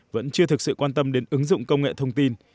vẫn chưa thực sự quan tâm đến ứng dụng công nghệ thông tin